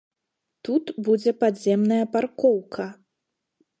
Тут будзе падземная паркоўка.